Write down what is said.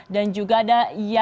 dan juga ada jan janjian